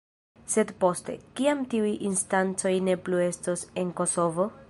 Sed poste, kiam tiuj instancoj ne plu estos en Kosovo?